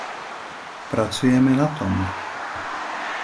Pracujeme na tom.